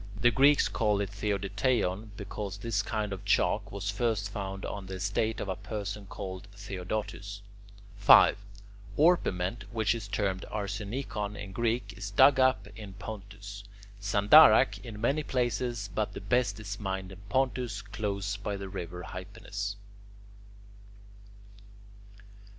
The Greeks call it [Greek: theodoteion], because this kind of chalk was first found on the estate of a person named Theodotus. 5. Orpiment, which is termed [Greek: arsenikon] in Greek, is dug up in Pontus. Sandarach, in many places, but the best is mined in Pontus close by the river Hypanis.